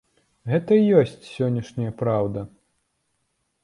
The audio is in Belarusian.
Гэта і ёсць сённяшняя праўда.